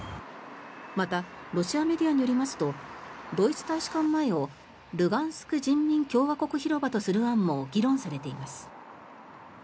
またロシアメディアによりますとドイツ大使館前をルガンスク人民共和国広場とする案も議論されています。